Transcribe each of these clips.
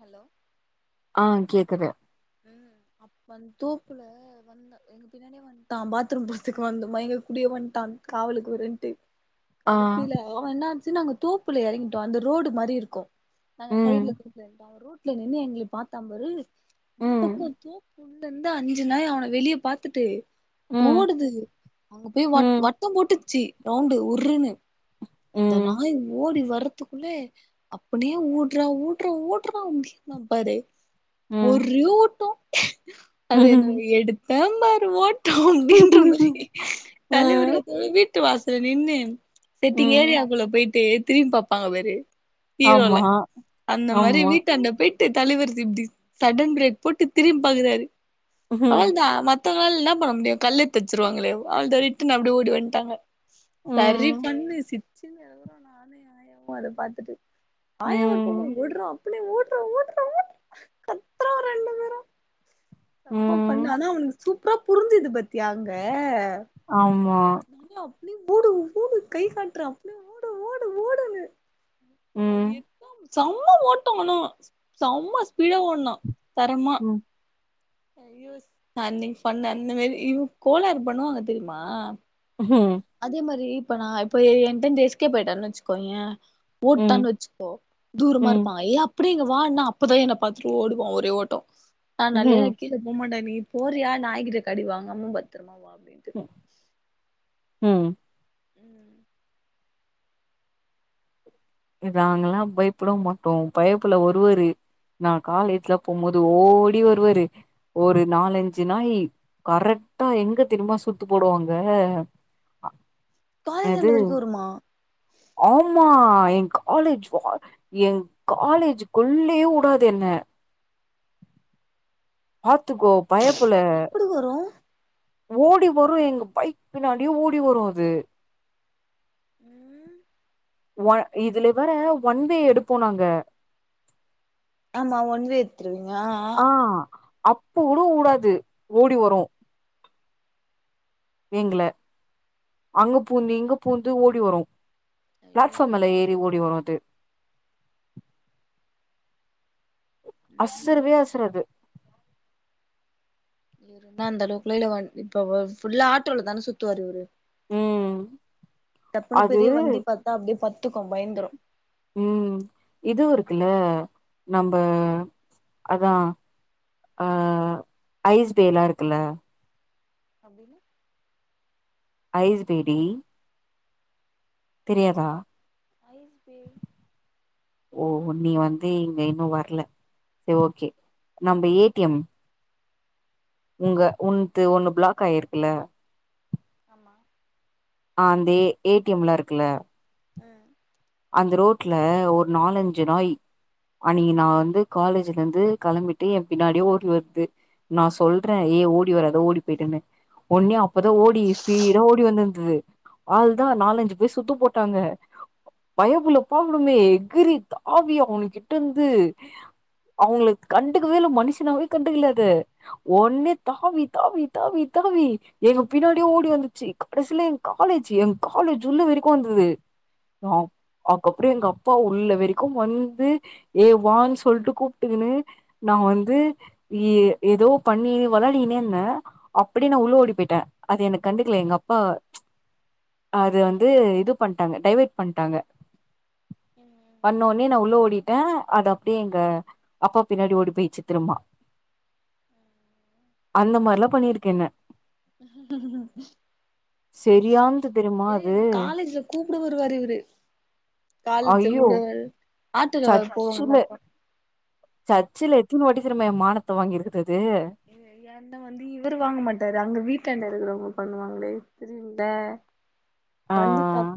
hello ஆஹ் கேக்குது ம் அப்ப அந்த தோப்புல வந்த எங்க பின்னாடியே வன்டா பாத்ரூம் போற்துக்கு வந்தோமா எங்க கூடியே வன்டான் காவலுக்கு ஒருன்டு ஆ கடசியில அவ என்ன ஆச்சு நாங்க தோப்புல இறங்கிட்டோ அந்த ரோடு மாரி இருக்கு நாங்க ம் சைடுல [unintelligible] ரோட்ல நின்னு எங்கள பாத்தா பாரு இந்த ம் பக்கோ தோப் உள்ளருந்து அஞ்சு நாய் அவன வெளிய பாத்துட்டு ம் ஓடுது அங்க போய் வட் ம் வட்டோ போட்டுச்சு ரவுண்டு உர்ன்னு அந்த ம் நாய் ஓடி வர த்துக்குள்ளே அப்டியே ஓடுற ஓடுற ஓடுற அப்பீனா பாரு ம் ஒரே ஓட்டோ அது என்ன ம் எடுத்தா பாரு ஓட் அப்டின்ற மாரி தலைவரு அப்பதா விட்டு வாசல நின்னு செட்டிங் ம் ஏரியாக்குள்ள போயிட்டு திரும்பி பாப்பாங்க பாரு ஆமா ஹீரோலா அந்த மாரி ஆமா வீட்டாண்ட போய் ட்டு தலைவர் இப்டி சடர்ன் பிரேக் போட்டு திரும்பி பாக்கறாரு ம் அவ்ளதா மத் த நாள் என்ன பண்ண முடியு கல்லெடுத்து அடிச்சிருவாங்களே அவ்ளோதா ரிட்டன் நா அப்டி ஓடி வந்ட்டாங்க சரி ம் பண்ணு சிச்சுன்னு இருக்கறோம் நானும் எங்க ஆயாவும் அத பாத்துட்டு ஆயா ஒரு ம் பக்கம் ஓட்றா அப்டி ஓடுற ஓடுற ஓடுற ரொம்ப பண்ணா ம் ஆனா அவனுக்கு சூப்பரா புரிஞ்சுது பாத்தியா அங்க ஆமா நீ ஓடு ஓடு கை காட்றா அப்டியே ஓடு ஓடு ஓடுன்னு அவ ம் எத்தா செம்ம ஓட்டம் ஆனா செம்ம ஸ்பீடா ஓட்னா தரமா ம் ஐயோஸ் நா அன்னைக்கு சொன்ன அந்த மேரி இன் கோளாறு பண்ணுவாங்க தெரியுமா ம் அதே மாரி இப்ப நா இப்ப என்ட்டேருந்து எஸ்கேப் ஆயிட்டாருன்னா வச்சுக்கோயே ம் ஓட்டான்னு வச்சுக்கோ தூரமா ம் இருப்பா ஏப் அப்டிங்குவா ஆனா அப்பதா என்ன பாத்துட்டு ஓடுவான் ஒரே ஓட்டோ நா அனாலேயே நா ம் கீழ போமாட்ட நீ போறியா நாய்கிட்ட கடி வாங்காம பத்ரமா வா அப்டின்ட்டு ம் ம் நாங்கல்லா பயப்புட மாட்டோ பயப்புல வருவாரு நா காலேஜ்லா போம்போது ஓடி வருவாரு ஒரு நாலஞ்சு நாயி கரெக்டா எங்க தெரிமா சுத்து போடுவாங்க காலேஜ் என்னது எண்டு வரைக்கும் வருமா ஆமா ஏ‌ காலேஜ் வா ஏ காலேஜுக்குள்ளயே உடாது என்ன பாத்துக்கோ பயப்புள்ள எப்டி வரு ஓடி வரும் எங்க பைக் பின்னாடியே ஓடி வரும் அது ம் ஒ இதுல வேற ஒன்வே எடுப்போ நாங்க ஆமா ஒன்வே எத்துருவீங்க ஆ அப்ப கூட உடாது ஓடி வரும் எங்கள அங்க பூந்து இங்க பூந்து ஓடி வரும் பிளாட் ஃபார்ம் ஐயோ எல்லா ஏறி ஓடி வரும் அது ம்ஹூம் அசரவே அசராது நா அந்தளவுக்குள்ள இல்லே இப்ப ஃபுல்லா ஆட்டோல தான சுத்துவாரு இவரு ம் டப்புன்னு அது பெரிய வண்டி பாத்தா அப்டியே பட்த்துக்கு பயந்துரு ம் இதுவு இருக்குல்ல நம்ப அதா ஆ ஐஸ் பேலா இருக்குல்ல அப்டின்னா ஐஸ் பேடி தெரியாதா ஐஸ் பே ஓ நீ வந்து இங்க இன்னு வர்ல சேரி ஓகே நம்ப ஏ டி எம் உங்க உன்து ஒன்னு பிளாக் ஆயிருக்குல்ல ஆமா ஆ ‌அந்த ஏ ஏ டி எம் லா இருக்குல்ல ஆ அந்த ரோட்ல ஒரு நாலஞ்சு நாய் அன்னைக்கு நா ம் வந்து காலேஜ் ருந்து கெளம்பிட்டு ஏ பின்னாடியே ஓடி வருது நா சொல்றே ஏ ஓடி வராத ஓடி போய்டுன்னு ஒன்னே அப் அப்பதா ஓடி ஸ்பீடா ஓடி வந்துருந்துது அவ்ளதா நாலஞ்சு பேர் சுத்து போட்டாங்க பயபுள்ள போகனுமே எகிரி தாவி அவனுக்கிட்டருந்து அவுங்களுக்கு கண்டுக்கவே இல்ல மனுஷனாவே கண்டுக்கல அத ஒன்னே தாவி தாவி தாவி தாவி எங்க பின்னாடியே ஓடி வந்துச்சு கடைசியில எங் காலேஜு ஏ காலேஜ் உள்ள வரைக்கு வந்தது ஆ அக்கப்பற எங்க அப்பா உள்ள வரைக்கு வந்து ஏ வான்னு சொல்ட்டு கூப்ட்டுக்குனு நா வந்து ஏ ஏதோ பண்ணி வெளாடினே இருந்த அப்டியே நா உள்ள ஓடி போயிட்ட அது என்ன கண்டுக்கல எங்க அப்பா அத வந்து இது பண்ட்டாங்க டைவேட் பண்ட்டாங்க பண்ணவொன்னே நா உள்ள ஓடி ட்ட அது அப்டியே எங்க அப்பா பின்னாடி ஓடி போய்ச்சு திருமா அந்த மாரிலா பண்ணிருக்கு என்ன செரியானது தெரியுமா ஏ அது என்ன காலேஜ்ல கூப்ட வருவாரு இவரு காலேஜ் ஐயோ கூப்ட வர ஆட்டோல வர போவாங்கள்ல அப்போ சர்ச்சுல எத்துன வாட்டி தெரியுமா ஏ மானத்த வாங்கிருக்குது அது என்ன என்ன வந்து இவரு வாங்க மாட்டாரு அங்க வீட்டாண்ட இருக்குறவ பண்ணுவாங்களே தெரியும்லே ஆ வந்து தப்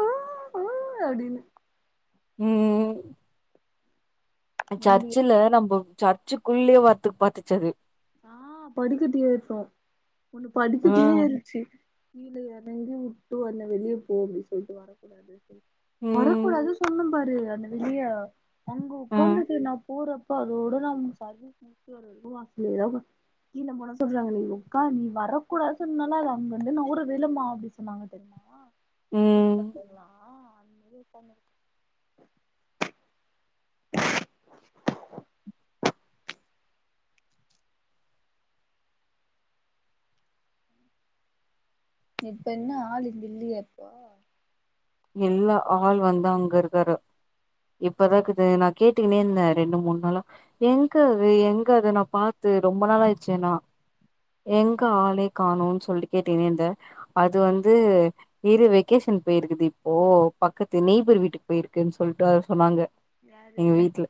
அ ஆ ‌ஆ அப்டின்னு ம் முந்தி சர்ச்சுல நம்ப சர்ச்சுக்குள்ளேயே வாத்து பாத்துச்சு அது ஆ படிக்கட்டுயேத்து ஒன்னு ஆ படிக்கட்டுயே ஏறுச்சு கீழ எறங்கி உட்டு வந்த வெளியே போ அப்டினு சொல்ட்டு வரக்கூடாது சொல்லி ம் வரக்கூடாதுன் சொன்ன பாரு அந்த வெளிய அங்க ஆ உக்காந்துட்டு நா போறப் அப்பா அதோட நா சர்வீஸ் முடிச்சுட்டு வர வரைக்கு வாசல்லேயேதா உக்கா கீழே போனா சொல்றாங்களே ‌நீ உக்காந் நீ வரக்கூடாதுன் சொன்னல்ல அது அங்கேருந்து நவுரவே இல்லமா அப்டி சொன்னாங்க தெரியுமா ம் ரோட்ல போனா இது பண்ணு இப்ப என்ன ஆளு இங்க இல்லீயா இப்போ இல்ல ஆள் வந்து அங்க இருக்காரு இப்பதா இக்குது நா கேட்டுக்குனே இருந்த ரெண்டு மூணு நாளா எங்க அது எங்க அது நா பாத் து ரொம்ப நாள் ஆயிடுச்சேனா எங்க ஆளே காணோன்னு சொல்லி கேட்டுக்குனே இருந்த அது வந்து இரு வெக்கேஷன் போயிருக்குது இப்போ பக்கத்து நெய்பர் வீட்டுக்கு போயிருக்குன்னு சொல்ட்டு அத சொன்னாங்க யாரு எங்க வீட்ல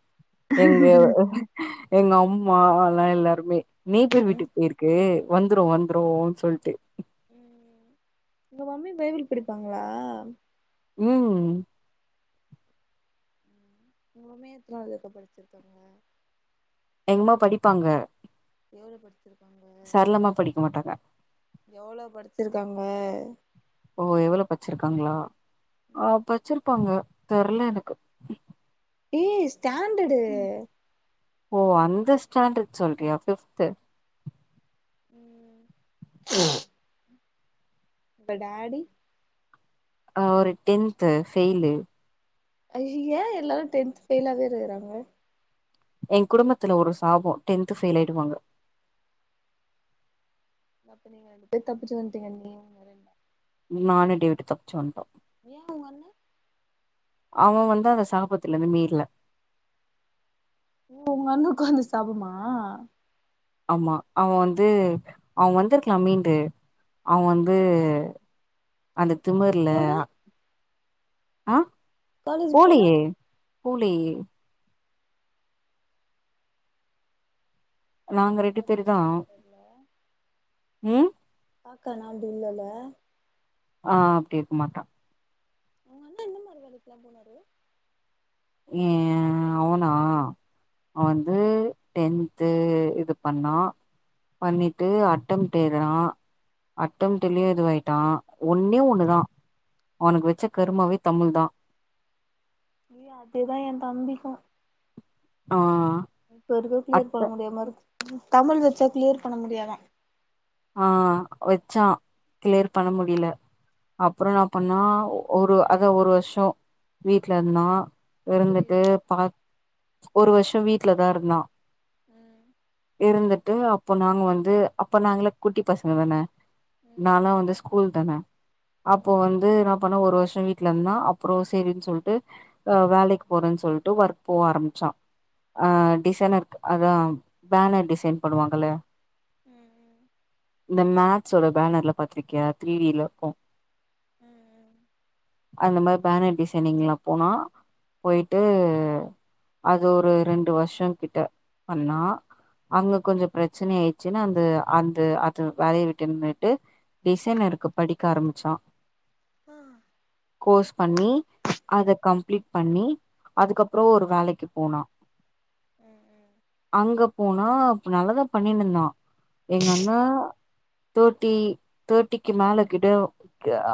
எங்க எங்க அம்மா எல்லா எல்லாருமே நெய்பர் வீட்டுக்கு போயிருக்கு வந்துரு வந்துருனு சொல்ட்டு ம் உங்க மம்மி பைபிள் படிப்பாங்களா ம் உங்க மம்மி எத்னாவது வரைக்கு படிச்சிருக்காங்க எங்கம்மா படிப்பாங்க எவ்ளோ படிச்சிருக்காங்க சரளமா படிக்க மாட்டாங்க எவ்ளோ படிச்சிருக்காங்க ஓ எவ்ளோ பச்சிருக்காங்களா ஆ பச்சிருப்பாங்க தெர்ல எனக்கு ஏய் ஸ்டாண்டடு ஓ அந்த ஸ்டாண்டர்ட் சொல்றியா ஃபிஃப்த்து ம் உங்க டாடி ஆ அவுரு டென்த்து ஃபெயிலு ஐய்ய ஏ எல்லாரு டென்த் ஃபெயிலாவே இருக்கறாங்க ஏ குடும்பத்துல ஒரு சாபம் டென்த்து ஃபெயிலாயிடுவாங்க அப்ப நீங்க ரெண்டு பேர் தப்பிச்சு வந்துட்டீங்க நீயு உங்கண்ணனு நானு டேவிட்டு தப்புச்சு வண்ட்டோம் ஏ ஒங்கண்ணே அவன் வந்து அந்த சாபத்திலருந்து மீற்ல ஓ உங்க அண்ணுக்கு வந்து சாபமா ஆமா அவன் வந்து அவன் வந்துருக்கலாம் மீண்டு அவன் வந்து அந்த அப்ப காலேஜ் திமிர்ல போல ஆஹ் காலேஜ் போல போலயே ஆனா நாங்க பாப்பா ரெண்டு அப்டி இருக்குமா பேர்தான் தெர்ல உம் க்கானா அப்டி இல்லல ஆஹ் அப்டிருக்க மாட்டான் அவுங்கண்ணே என்ன மாரி வேலைக்குலாம் போனாரு ஹம் அவனா அவன் வந்து டென்த்து இது பண்ணா பண்ணிட்டு அட்டம்ட்டெலுதறான் அட்டம்ட்லயும் இதுவாயிட்டான் ஒன்னே ஒண்ணுதான் அவனுக்கு வச்ச கருமாவே தமிழ்தான் ஏ அதேதான் என் தம்பிக்கும் ஆஹ் இப்பருக்க கிளியர் பண்ண முடியாமருக் தமிழ் வச்சா கிளியர் பண்ண முடியாதா ஆஹ் வச்சான் கிளியர் பண்ண முடியல அப் அப்றோ என்ன பண்ணா ஒரு அதா ஒரு வருஷம் வீட்லருந்தா இருந்துட்டு புரியல பா ஒரு வருஷம் வீட்லதாருந்தான் ம் இருந்துட்டு அப்ப நாங்க வந்து அப்ப நாங்களா குட்டி பசங்க தான நானா வந்து ஸ்கூல் தான அப்போ ம் வந்து என்ன பண்ண ஒரு வருஷம் வீட்டுலருந்தா அப்புறம் செரின்னு சொல்லிட்டு அஹ் வேலைக்கு போறேன்னு சொல்லிட்டு ஒர்க் போக ஆரம்பிச்சான் ஆ டிசைனர் அதான் பேனர் டிசைன் பண்ணுவாங்கல்ல ம் ம் இந்த மேக்ஸோட பேனர்ல பாத்ருக்கியா த்ரீடிலருக்கும் ம் ம் அந்த மாரி பேனர் டிசைனிங்லா போனா போயிட்டு அது ஒரு ரெண்டு வருஷோ கிட்ட பண்ணா அங்க கொஞ்சோ பிரச்சன ஆயிருச்சுனு அந்த அந்த அது வேலய விட்டு நின்னுட்டு டிசைனருக்கு படிக்க ஆரம்பிச்சா ஆ கோர்ஸ் பண்ணி அத கம்ப்ளீட் பண்ணி அதுக்கப்பறோ ஒரு வேலக்கி போனா ம் அங்க போனா இப்ப நல்லாதா பண்ணினு இருந்தா எங்கண்ணா தோர்ட்டி தோர்ட்டிக்கு மேல கிடோ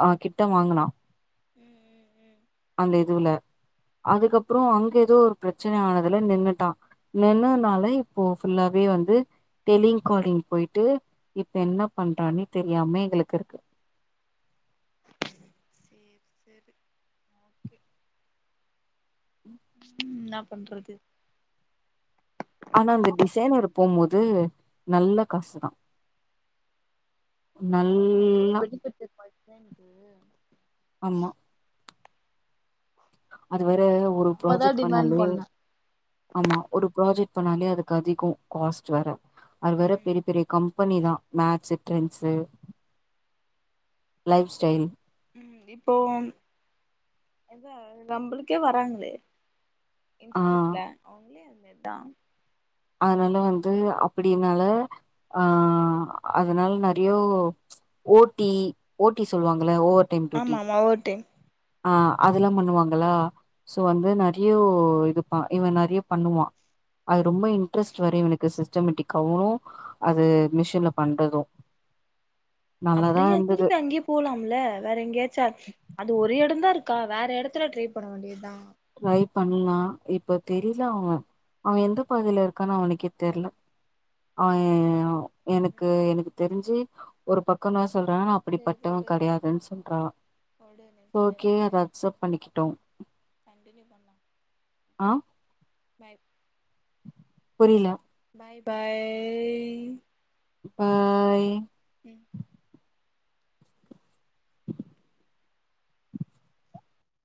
அஹ் கிட்ட வாங்குனா ம் ம் அந்த இதுவுல அதுக்கப்பறோ அங்க எதோ ஒரு பிரச்சன ஆனதுல நின்னுட்டா நின்னனால இப்போ ஃபுல்லாவே வந்து டெலிங்காலிங் போயிட்டு இப்ப என்ன பண்றானே தெரியாமே எங்களுக்கு இருக்கு ம் அப் பண்றது ஆனா அந்த டிசைனர் போவும்போது நல்ல காசுதா ஆமா எவ்ளோ பெனிஃபிட் தெரியுமா டிசைன்க்கு ஆமா அது வேற ஒரு நம்மதா ப்ராஜக்ட் டிமாண்ட் பண்ணாலே பண்ணோ ஆமா ஒரு ப்ராஜக்ட் பண்ணாலே அதுக்கு அதிகோ காஸ்ட் வேற அது வேற ம் பெரி பெரிய கம்பெனி தா மேக்ஸு ட்ரெண்ட்ஸு லைஃப் ஸ்டைல் ம் இப்போ எத நம்புளுக்கே வராங்ளே ஆ இன்ஸ்ட்யுட்ல அவுங்களே அந்த இதா அதனால வந்து அப்பிடினால ஆ அதனால நெறையோ ஓட்டி ஓட்டி சொல்வாங்கள ஓவர் ஆமா ஆமா ஓவர் டைம் அ அதெல்லா பண்ணுவாங்களா சோ வந்து நெறையோ இதுப்பா இவ நெறைய பண்ணுவா அது ரொம்ப இன்ட்ரஸ்ட் வேற இவுனுக்கு சிஸ் டமேட்டிக்காவு அது மிஷின்ல பண்றது நல்லாதா அப்டியே இருந்தது திருப்பி அங்கயே போலாம்ல வேற எங்கயாச்சு அது ஒரு எடந்தா இருக் கா வேற எடத்துல ட்ரை பண்ண வேண்டியதா ட்ரை பண்லா இப்ப தெரில அவ அவ எந்த பகுதில இருக்கானு அவனுக்கே தெர்ல அவே எனக்கு ம் எனக்கு தெரிஞ்சு ஒரு பக்கமா ஸ் சொல்றாங்க நா அப்டி சேரி பட்டவே உடு கெடையாதுன் சொல்றா உடு ஓகே அத நெக்ஸ்ட் அக்ஸப் பண்ணிகிட்டோ திரும்பியு பண்ணா ஆ பாய் புரில பாய் பாய் பாய் ம்